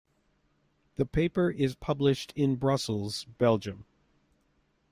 The paper is published in Brussels, Belgium.